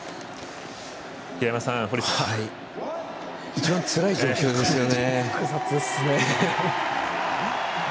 一番つらい状況ですよね。